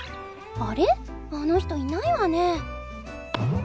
あの人いないわね。